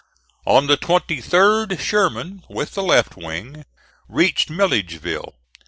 On the 23d Sherman, with the left wing, reached Milledgeville.